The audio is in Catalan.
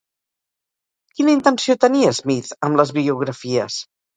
Quina intenció tenia Smith amb les biografies?